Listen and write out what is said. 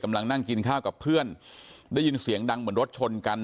นั่งกินข้าวกับเพื่อนได้ยินเสียงดังเหมือนรถชนกัน